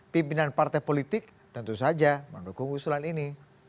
pimpinan partai politik tentu saja mendukung usulan ini